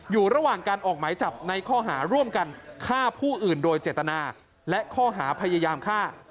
อยู่ระหว่างการออกหมายจับในข้อหาร่วมกันฆ่าผู้อื่นโดยเจตนาและข้อหาพยายามฆ่า